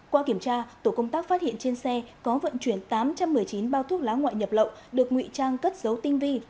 qua kiểm tra tổ công tác phát hiện trên xe có vận chuyển tám trăm một mươi chín bao thuốc lá ngoại nhập lậu được nguy trang cất dấu tinh vi